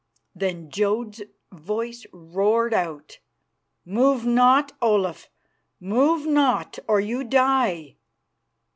Then Jodd's voice roared out, "Move not, Olaf; move not, or you die."